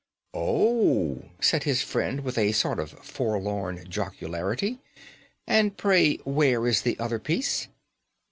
"Oh!" said his friend, with a sort of forlorn jocularity; "and pray where is the other piece?"